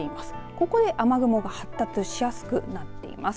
ここで雨雲が発達しやすくなっています。